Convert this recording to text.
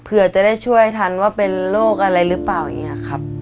เผื่อจะได้ช่วยทันว่าเป็นโรคอะไรหรือเปล่าอย่างนี้ครับ